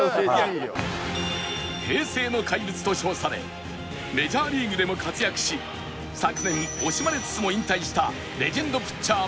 平成の怪物と称されメジャーリーグでも活躍し昨年惜しまれつつも引退したレジェンドピッチャー